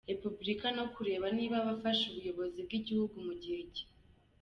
repubulika no kureba niba abafashe ubuyobozi bw’igihugu, mu gihe cya